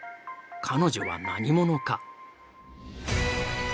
彼女は何者か。